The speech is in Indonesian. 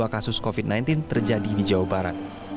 empat puluh enam enam puluh dua kasus covid sembilan belas di jawa barat